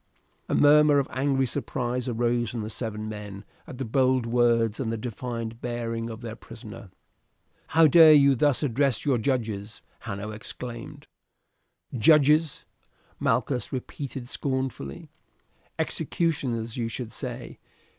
A murmur of angry surprise arose from the seven men at the bold words and the defiant bearing of their prisoner. "How dare you thus address your judges?" Hanno exclaimed. "Judges!" Malchus repeated scornfully, "executioners, you should say.